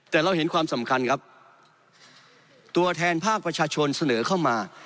แต่เราเห็นความสำคัญครับตัวแทนภาคประชาชนเสนอเข้ามา